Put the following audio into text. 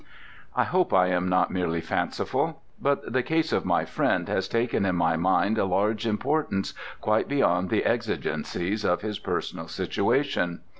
I hope I am not merely fanciful: but the case of my friend has taken in my mind a large importance quite beyond the exigencies of his personal situation.